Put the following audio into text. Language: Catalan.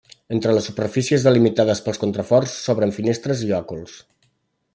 Entre les superfícies delimitades pels contraforts, s'obren finestres i òculs.